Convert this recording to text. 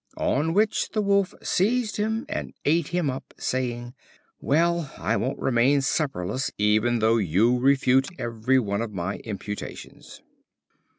On which the Wolf seized him, and ate him up, saying: "Well! I won't remain supperless, even though you refute every one of my imputations."